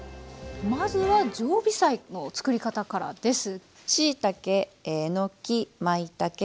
まずは常備菜の作り方からです。